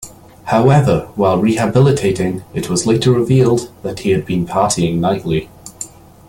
However, while rehabilitating, it was later revealed that he had been partying nightly.